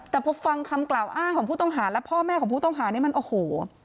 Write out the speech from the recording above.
แต่พอฟังคำกล่าวอ้างของผู้ต้องหาและพ่อแม่ของผู้ต้องหานี่มันโอ้โห